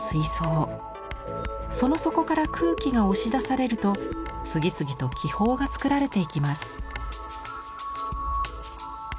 その底から空気が押し出されると次々と気泡が作られていきます。